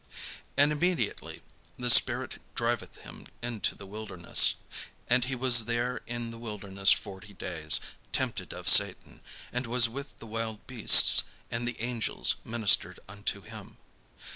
And immediately the spirit driveth him into the wilderness. And he was there in the wilderness forty days, tempted of Satan; and was with the wild beasts; and the angels ministered unto him.